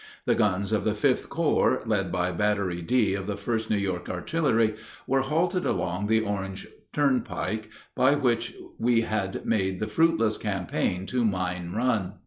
The guns of the Fifth Corps, led by Battery D of the 1st New York Artillery, were halted along the Orange turnpike, by which we had made the fruitless campaign to Mine Run.